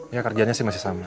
ya kerjanya sih masih sama